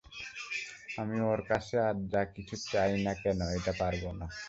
আমি ওঁর কাছে আর যা-কিছু চাই নে কেন, এটা পারব না।